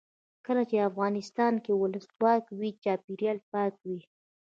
کله چې افغانستان کې ولسواکي وي چاپیریال پاک وي.